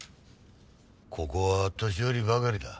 ここは年寄りばかりだ。